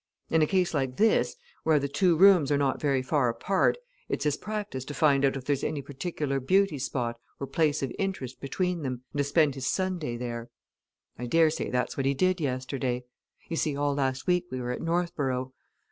In a case like this, where the two towns are not very far apart, it's his practice to find out if there's any particular beauty spot or place of interest between them, and to spend his Sunday there. I daresay that's what he did yesterday. You see, all last week we were at Northborough.